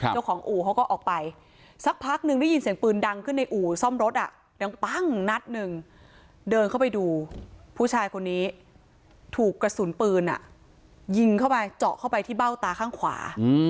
อู่เขาก็ออกไปสักพักหนึ่งได้ยินเสียงปืนดังขึ้นในอู่ซ่อมรถอ่ะดังปั้งนัดหนึ่งเดินเข้าไปดูผู้ชายคนนี้ถูกกระสุนปืนยิงเข้าไปเจาะเข้าไปที่เบ้าตาข้างขวา